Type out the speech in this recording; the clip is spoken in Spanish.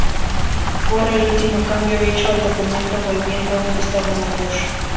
Borra el último cambio hecho al documento volviendo a un estado mayor.